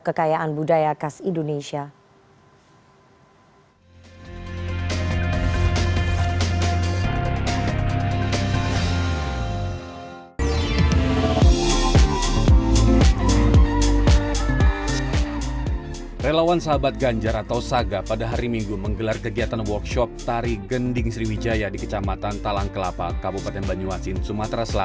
kekayaan budaya khas indonesia